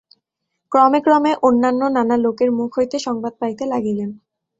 ক্রমে ক্রমে অন্যান্য নানা লােকের মুখ হইতে সংবাদ পাইতে লাগিলেন।